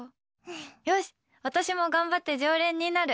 よし、私も頑張って常連になる！